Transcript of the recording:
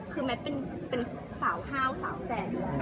คือแมทเป็นสาวห้าวสาวแสน